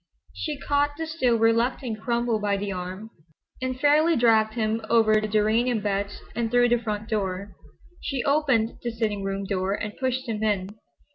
She caught the still reluctant Cromwell by the arm and fairly dragged him over the geranium beds and through the front door. She opened the sitting room door and pushed him in.